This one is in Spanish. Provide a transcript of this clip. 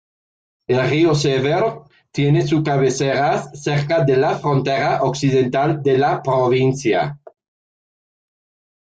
El río Severn tiene sus cabeceras cerca de la frontera occidental de la provincia.